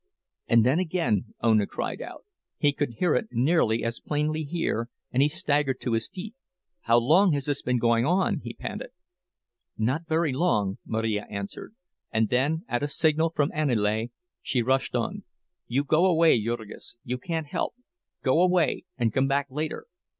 And then again Ona cried out; he could hear it nearly as plainly here, and he staggered to his feet. "How long has this been going on?" he panted. "Not very long," Marija answered, and then, at a signal from Aniele, she rushed on: "You go away, Jurgis you can't help—go away and come back later.